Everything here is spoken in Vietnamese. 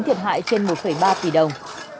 thiệt hại trên một ba tỷ đồng